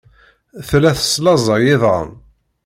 Tella teslaẓay iḍan.